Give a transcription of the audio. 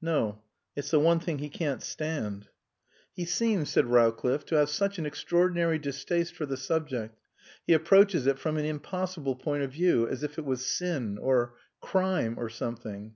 "No. It's the one thing he can't stand." "He seems," said Rowcliffe, "to have such an extraordinary distaste for the subject. He approaches it from an impossible point of view as if it was sin or crime or something.